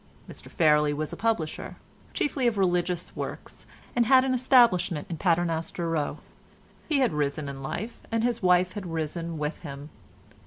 Mr Fairlie was a publisher, chiefly of religious works, and had an establishment in Paternoster Row; he had risen in life, and his wife had risen with him.